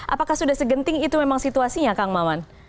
apakah sudah segenting itu memang situasinya kang maman